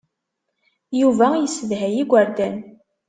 Yuba yessedhay igerdan.